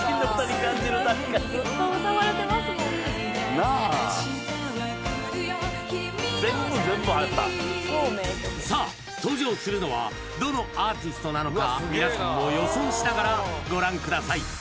君のためにさあ登場するのはどのアーティストなのか皆さんも予想しながらご覧ください